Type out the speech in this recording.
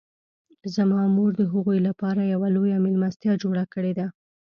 زما مور د هغوی لپاره یوه لویه میلمستیا جوړه کړې ده